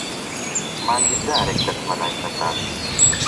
مانگی جارێک، دەچمە لای سەرتاش.